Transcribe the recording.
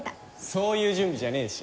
そういう準備じゃねえし。